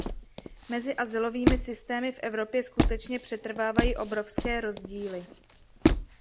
Mezi azylovými systémy v Evropě skutečně přetrvávají obrovské rozdíly.